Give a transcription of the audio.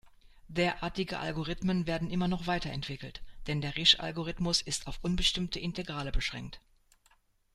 Derartige Algorithmen werden immer noch weiterentwickelt, denn der Risch-Algorithmus ist auf unbestimmte Integrale beschränkt.